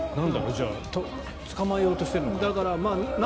じゃあ捕まえようとしてるのかな。